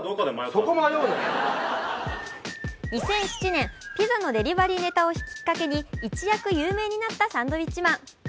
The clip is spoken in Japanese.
２００７年、ピザのデリバリーネタをきっかけに一躍有名になったサンドウィッチマン。